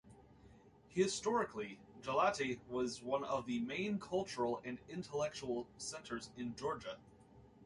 Historically, Gelati was one of the main cultural and intellectual centers in Georgia.